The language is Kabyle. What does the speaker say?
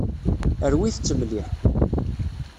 Rwit-tt mliḥ.